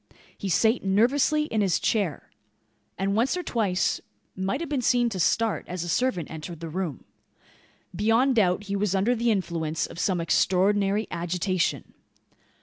He sate nervously in his chair; and once or twice might have been seen to start, as a servant entered the room. Beyond doubt he was under the influence of some extraordinary agitation.